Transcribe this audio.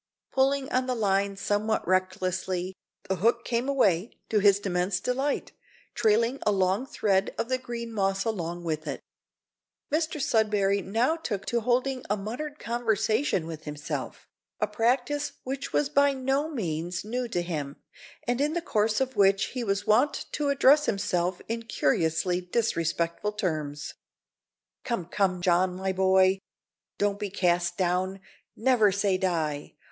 Pulling on the line somewhat recklessly, the hook came away, to his immense delight, trailing a long thread of the green moss along with it. Mr Sudberry now took to holding a muttered conversation with himself a practice which was by no means new to him, and in the course of which he was wont to address himself in curiously disrespectful terms. "Come, come, John, my boy, don't be cast down! Never say die!